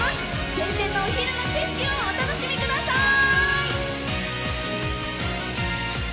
晴天のお昼の景色をお楽しみください！